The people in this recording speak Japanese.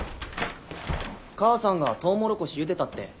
母さんがトウモロコシゆでたって。